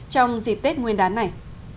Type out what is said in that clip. trong dịp tết nguyên đán này